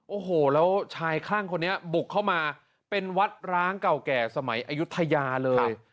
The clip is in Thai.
โอ้โหแล้วชายคลั่งคนนี้บุกเข้ามาเป็นวัดร้างเก่าแก่สมัยอายุทยาเลย